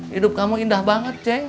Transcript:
hidup kamu indah banget ceng